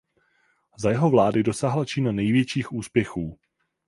Za jeho vlády dosáhla Čína největších úspěchů.